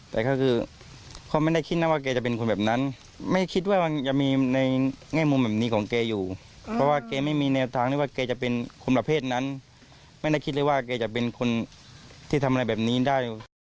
แต่ก็คือเขาไม่ได้คิดนะว่าแกจะเป็นคนแบบนั้นไม่คิดว่ามันจะมีในแง่มุมแบบนี้ของแกอยู่เพราะว่าแกไม่มีแนวทางที่ว่าแกจะเป็นคนประเภทนั้นไม่ได้คิดเลยว่าแกจะเป็นคนที่ทำอะไรแบบนี้ได้